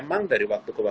memang dari waktu kemudian